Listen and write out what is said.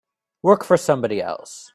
Work for somebody else.